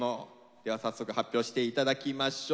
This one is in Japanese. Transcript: では早速発表して頂きましょう。